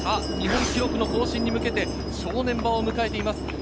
日本記録の更新に向けて正念場を迎えています。